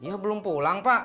ya belum pulang pak